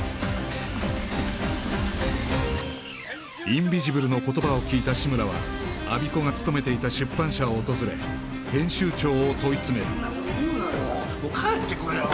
インビジブルの言葉を聞いた志村は我孫子が勤めていた出版社を訪れ編集長を問い詰める変なこと言うなよ